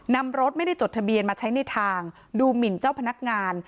นำรถไม่ได้จดทะเบียนมาใช้ในทางดูหมินเจ้าพนักงาน